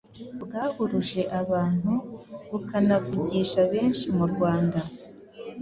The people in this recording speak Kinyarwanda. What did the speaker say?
bwahuruje abantu bukanavugisha benshi mu Rwanda